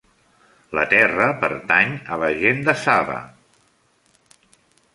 La terra pertany a la gent de Sabah.